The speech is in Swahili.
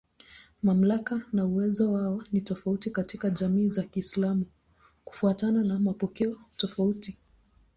Mamlaka na uwezo wao ni tofauti katika jamii za Kiislamu kufuatana na mapokeo tofauti.